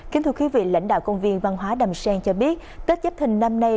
kính thưa quý vị lãnh đạo công viên văn hóa đầm sen cho biết tết chấp thình năm nay